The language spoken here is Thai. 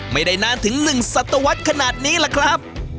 ไม่ได้นานถึง๑สัตวรรษขนาดนี้ล่ะครับ